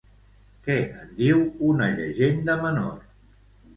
Què en diu una llegenda menor?